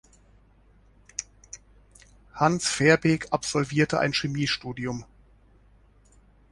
Hans Verbeek absolvierte ein Chemiestudium.